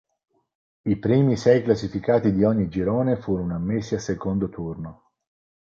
I primi sei classificati di ogni girone furono ammessi al secondo turno.